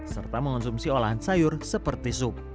serta mengonsumsi olahan sayur seperti sup